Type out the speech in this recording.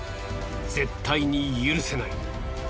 絶対に許せない。